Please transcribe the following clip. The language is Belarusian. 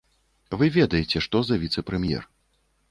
Вы ведаеце, што за віцэ-прэм'ер.